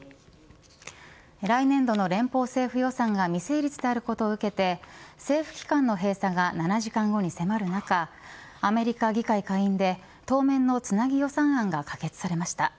来年度の連邦政府予算が未成立であることを受けて政府機関の閉鎖が７時間後に迫る中アメリカ議会下院で当面のつなぎ予算案が可決されました。